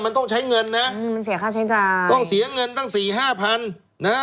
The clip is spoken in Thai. มันต้องใช้เงินนะอืมมันเสียค่าใช้จ่ายต้องเสียเงินตั้งสี่ห้าพันนะฮะ